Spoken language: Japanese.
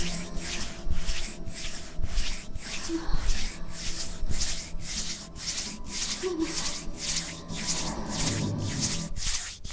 あの。ごめんなさい。